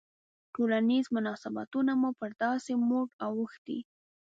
ټولنیز مناسبتونه مو پر داسې موډ اوښتي.